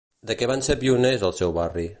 De què van ser pioners al seu barri?